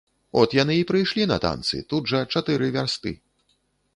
От яны і прыйшлі на танцы, тут жа чатыры вярсты.